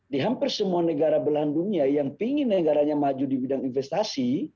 di hampir semua negara belahan dunia yang ingin negaranya maju di bidang investasi